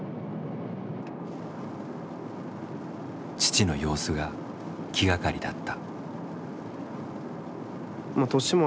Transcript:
父の様子が気がかりだった。